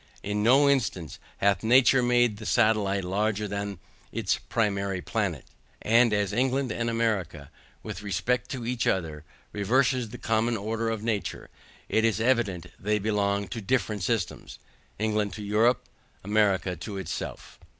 In no instance hath nature made the satellite larger than its primary planet, and as England and America, with respect to each other, reverses the common order of nature, it is evident they belong to different systems: England to Europe, America to itself.